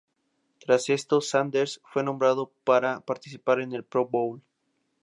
Tras esto, Sanders fue nombrado para participar en el Pro Bowl.